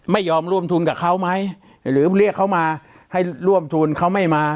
ไม่ยอมร่วมทุนกับเขาไหมหรือเรียกเขามาให้ร่วมทุนเขาไม่มา